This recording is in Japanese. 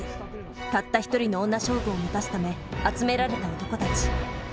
たった一人の女将軍を満たすため集められた男たち。